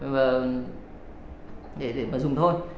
và để mà dùng thôi